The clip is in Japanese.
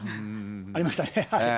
ありましたね。